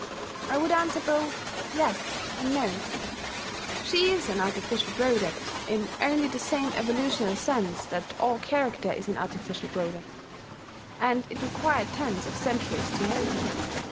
I would answer both "Yes" and "No." She is an artificial product in only the same evolutional sense that all character is an artificial product; and it required tens of centuries to mould her.